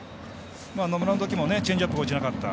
野村のときもチェンジアップ落ちなかった。